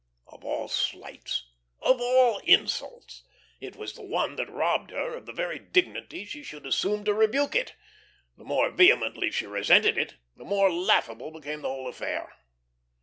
Of all slights, of all insults, it was the one that robbed her of the very dignity she should assume to rebuke it. The more vehemently she resented it, the more laughable became the whole affair.